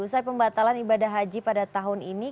usai pembatalan ibadah haji pada tahun ini